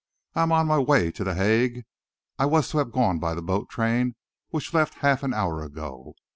I am on my way to The Hague. I was to have gone by the boat train which left half an hour ago.